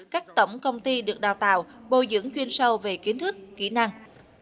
các tổng công ty được đào tạo bồi dưỡng chuyên sâu về kiến thức kỹ năng